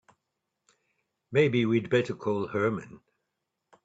Maybe we'd better call Herman.